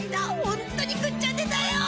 本当に食っちゃ寝だよ。